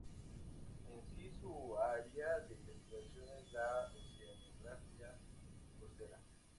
En sí, su área de investigación es la oceanografía costera.